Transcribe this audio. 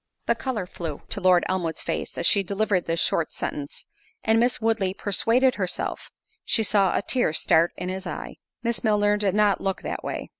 The colour flew to Lord Elmwood's face, as she delivered this short sentence; and Miss Woodley persuaded herself, she saw a tear start in his eye. Miss Milner did not look that way.